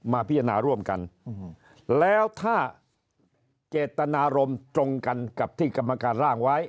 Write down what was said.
พิจารณาร่วมกันแล้วถ้าเจตนารมณ์ตรงกันกับที่กรรมการร่างไว้